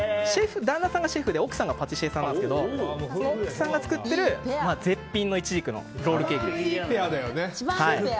旦那さんがシェフで奥さんがパティシエさんなんですけどこの夫婦が作っている絶品のいちじくのロールケーキです。